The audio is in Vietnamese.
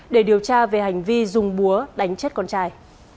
để điều tra về hành vi dùng búa đánh chết con trai